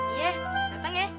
iya dateng ya